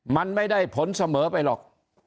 มันไม่ได้ผลเสมอไปหรอก